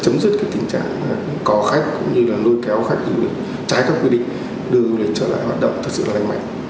chẳng chỉ là chấm dứt tình trạng có khách cũng như lôi kéo khách trái các quy định đưa du lịch trở lại hoạt động thật sự là đánh mạnh